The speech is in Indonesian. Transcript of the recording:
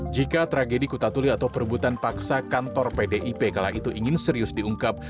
jika tragedi kutatuli atau perebutan paksa kantor pdip kala itu ingin serius diungkap